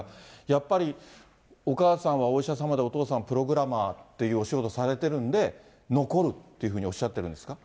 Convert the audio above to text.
やっぱりお母さんはお医者様で、お父さんはプログラマーっていうお仕事されてるんで、残るっていうふうにおっしゃってるんですか？